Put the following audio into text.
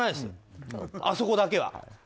あそこだけは。